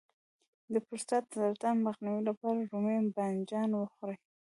د پروستات د سرطان مخنیوي لپاره رومي بانجان وخورئ